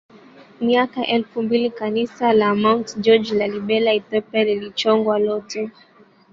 miaka elfu mbili Kanisa la Mt George Lalibela Ethiopia lilichongwa lote